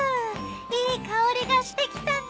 いい香りがしてきたね。